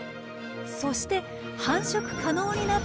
そして繁殖可能になったころ